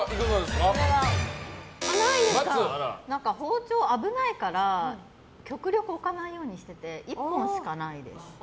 包丁、危ないから極力置かないようにしてて１本しかないです。